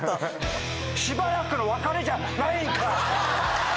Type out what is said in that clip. しばらくの別れじゃないんか。